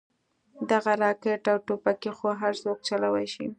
دغه راكټ او ټوپكې خو هرسوك چلوې شي.